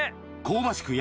香ばしく